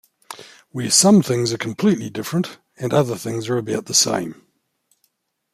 Where some things are completely different, and other things are about the same.